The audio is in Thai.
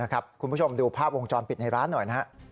คุณผู้ชมดูภาพวงจรปิดในร้านหน่อยนะครับ